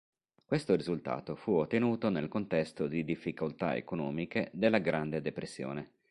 Questo risultato fu ottenuto nel contesto di difficoltà economiche della Grande Depressione.